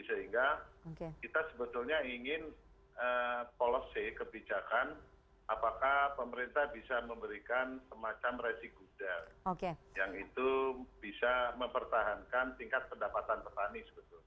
sehingga kita sebetulnya ingin policy kebijakan apakah pemerintah bisa memberikan semacam resigul yang itu bisa mempertahankan tingkat pendapatan petani